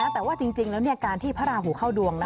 แต่ว่าจริงแล้วการที่พระราหูเข้าดวง